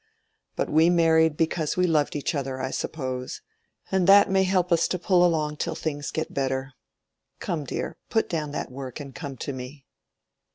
But we married because we loved each other, I suppose. And that may help us to pull along till things get better. Come, dear, put down that work and come to me."